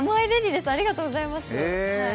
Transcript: です、ありがとうございます。